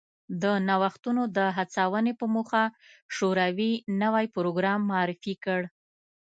د نوښتونو د هڅونې په موخه شوروي نوی پروګرام معرفي کړ